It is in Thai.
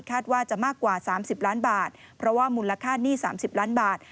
ว่าจะมากกว่า๓๐ล้านบาทเพราะว่ามูลค่าหนี้๓๐ล้านบาท